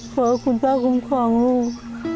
ขอให้คุณพ่อคุ้มของลูก